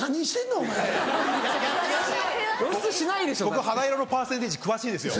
僕肌色のパーセンテージ詳しいですよ。